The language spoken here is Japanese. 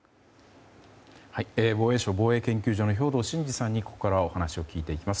防衛省防衛研究所の兵頭慎治さんにここからはお話を聞いていきます